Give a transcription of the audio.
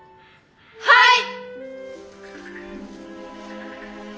はい！